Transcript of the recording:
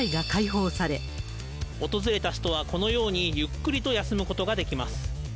訪れた人は、このようにゆっくりと休むことができます。